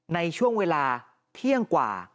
ในช่วงเวลาเที่ยงกว่า